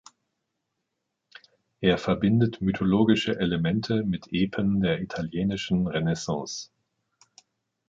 Er verbindet mythologische Elemente mit Epen der italienischen Renaissance.